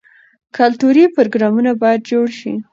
کلتوري پروګرامونه باید جوړ شي.